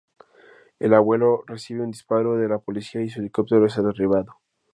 El abuelo recibe un disparo de la policía y su helicóptero es derribado.